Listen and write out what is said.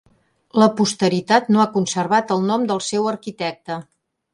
La posteritat no ha conservat el nom del seu arquitecte.